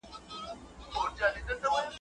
په يوه ماهي ټوله تالاو مردارېږي.